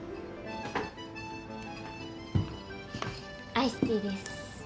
アイスティーです。